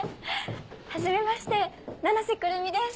はじめまして七瀬くるみです。